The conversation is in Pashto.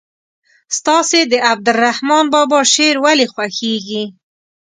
ستاسې د عبدالرحمان بابا شعر ولې خوښیږي.